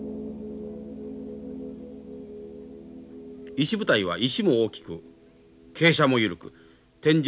石舞台は石も大きく傾斜も緩く天井